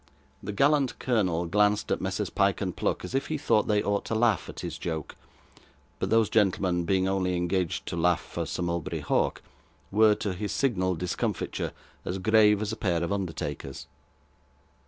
The gallant colonel glanced at Messrs Pyke and Pluck as if he thought they ought to laugh at his joke; but those gentlemen, being only engaged to laugh for Sir Mulberry Hawk, were, to his signal discomfiture, as grave as a pair of undertakers.